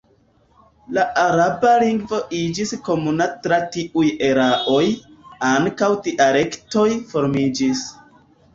La araba lingvo iĝis komuna tra tiuj areoj; ankaŭ dialektoj formiĝis.